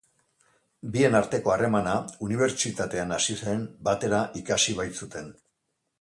Bien arteko harremana unibertsitatean hasi zen, batera ikasi baitzuten.